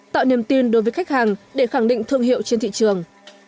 tạo niềm tin đối với khách hàng để khẳng định thương hiệu trên thị trường